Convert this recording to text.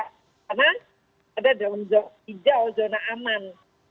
karena ada daun hijau zona aman